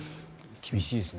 厳しいですね。